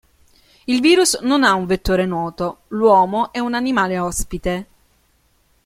Il virus non ha un vettore noto, l'uomo è un animale ospite.